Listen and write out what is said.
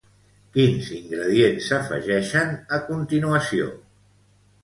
Quins ingredients s'afegeixen a continuació?